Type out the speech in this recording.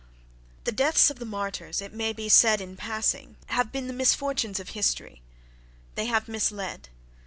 —The deaths of the martyrs, it may be said in passing, have been misfortunes of history: they have misled....